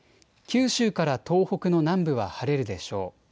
九州から東北の南部は晴れるでしょう。